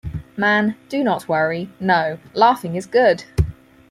Man, do not worry, no, laughing is good!